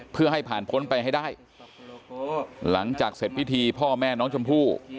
เพื่อให้ผ่านพ้นไปให้ได้หลังจากเสร็จพิธีพ่อแม่น้องชมพู่